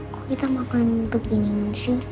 kok kita makan begini sih